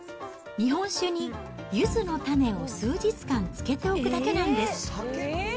日本酒にゆずの種を数日間漬けておくだけなんです。